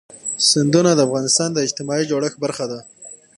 سیندونه د افغانستان د اجتماعي جوړښت برخه ده.